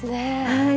はい。